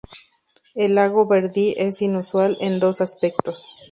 El lago Verdi es inusual en dos aspectos.